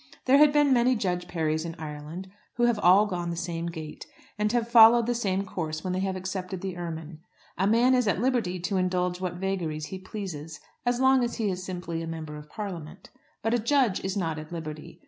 There had been many Judge Parrys in Ireland, who have all gone the same gait, and have followed the same course when they have accepted the ermine. A man is at liberty to indulge what vagaries he pleases, as long as he is simply a Member of Parliament. But a judge is not at liberty.